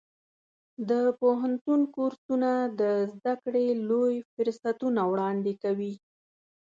د پوهنتون کورسونه د زده کړې لوی فرصتونه وړاندې کوي.